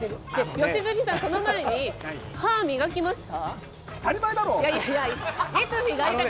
良純さん、その前に歯は磨きました？